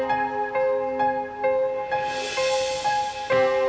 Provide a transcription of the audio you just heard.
yang selalu bisa bawa ke sana